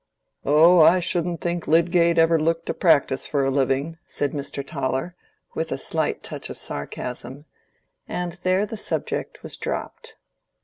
"Oh, I shouldn't think Lydgate ever looked to practice for a living," said Mr. Toller, with a slight touch of sarcasm, and there the subject was dropped.